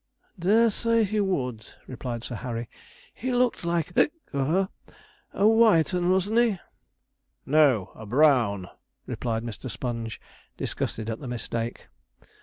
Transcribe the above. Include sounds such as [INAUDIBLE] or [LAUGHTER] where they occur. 'Dare say he would,' replied Sir Harry; 'he looked like a [HICCUPS] er a white 'un, wasn't he?' 'No; a brown,' replied Mr. Sponge, disgusted at the mistake.